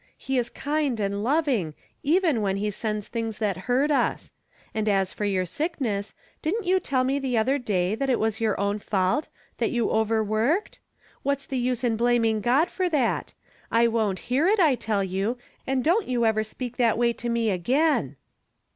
He is kind and loving, even when he sends things that hurts us. And as for your sickness, didn't you tell me the other day that it was your own fault — ^that you overworked ? "What's the use in blaming God for that ? I wont hear it, I tell you ; and don't you ever speak that way to me again."